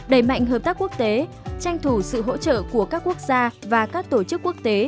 đẩy mạnh hợp tác quốc tế tranh thủ sự hỗ trợ của các quốc gia và các tổ chức quốc tế